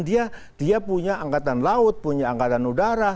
dia punya angkatan laut punya angkatan udara